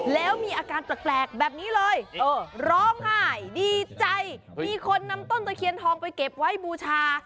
แล้วมีอาการแปลกแบบนี้เลยร้องไห้ดีใจมีคนนำต้นตะเคียนทองไปเก็บไว้บูชา